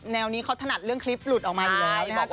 แนวนี้เขาถนัดเรื่องคลิปหลุดออกมาอีกแล้ว